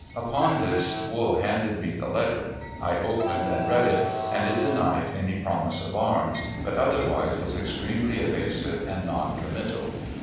Upon this Wool handed me the letter. I opened and read it, and it denied any promise of arms, but otherwise was extremely evasive and non committal.